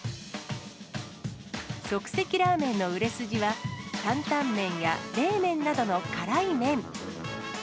即席ラーメンの売れ筋は、担々麺や冷麺などの辛い麺。